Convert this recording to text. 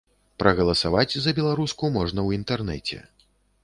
Прагаласаваць за беларуску можна ў інтэрнэце.